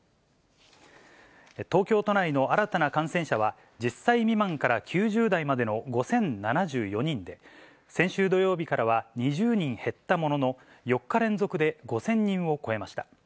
東京都内の新たな感染者は、１０歳未満から９０代までの５０７４人で、先週土曜日からは２０人減ったものの、４日連続で５０００人を超えました。